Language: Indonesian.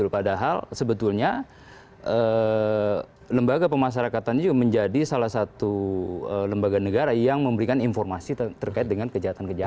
padahal sebetulnya lembaga pemasarakatannya juga menjadi salah satu lembaga negara yang memberikan informasi terkait dengan kejahatan kejahatan